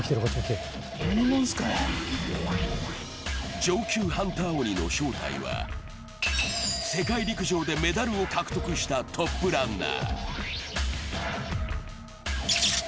上級ハンター鬼の正体は世界陸上でメダルを獲得したトップランナー。